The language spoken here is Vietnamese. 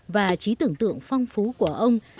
và trí tưởng tượng phong phú của ông